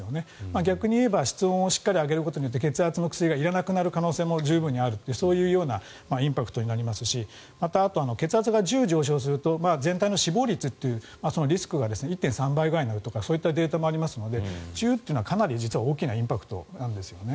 逆に言えば、室温をしっかり上げることによって血圧の薬がいらなくなる可能性も十分にあるというそういうインパクトになりますし血圧が１０上昇すると全体の死亡率のリスクが１．３倍ぐらいになるというデータもあるので１０というのは、実はかなり大きなインパクトなんですよね。